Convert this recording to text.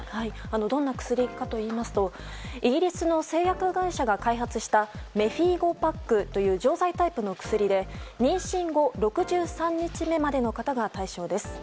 どんな薬かといいますとイギリスの製薬会社が開発したメフィーゴパックという錠剤タイプの薬で妊娠後６３日目までの方が対象です。